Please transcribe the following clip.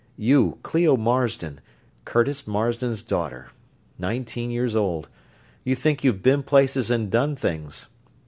You, Clio Marsden, Curtis Marsden's daughter. Nineteen years old. You think you've been places and done things.